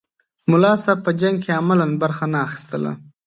ملا صاحب په جنګ کې عملاً برخه نه اخیستله.